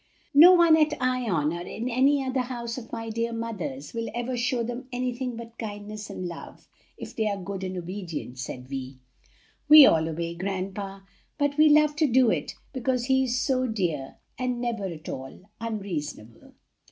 "No one at Ion or in any house of my dear mother's will ever show them anything but kindness and love if they are good and obedient," said Vi. "We all obey grandpa, but we love to do it, because he is so dear and never at all unreasonable."